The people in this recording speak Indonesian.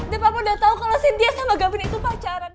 dia apa udah tahu kalau si dia sama gabin itu pacaran